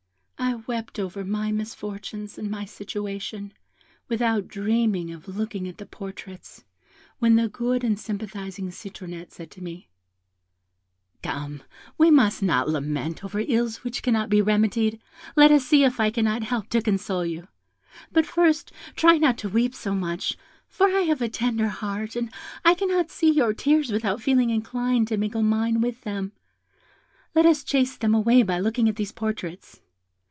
I wept over my misfortunes and my situation, without dreaming of looking at the portraits, when the good and sympathising Citronette said to me, 'Come, we must not lament over ills which cannot be remedied. Let us see if I cannot help to console you; but first, try not to weep so much, for I have a tender heart, and I cannot see your tears without feeling inclined to mingle mine with them. Let us chase them away by looking at these portraits.'